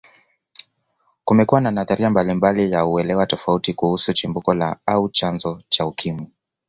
Kumekuwa na nadharia mbalimbali na uelewa tofauti tofauti kuhusu Chimbuko au chanzo cha Ukimwi